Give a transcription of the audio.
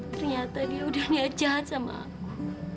ternyata dia udah niat jahat sama aku